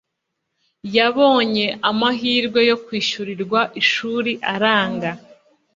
yabonye amahirwe yo kwishyurirwa ishuri aranga